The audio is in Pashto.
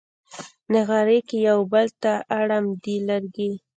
نغري کې یو بل ته اړم دي لرګي